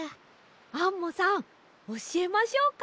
アンモさんおしえましょうか？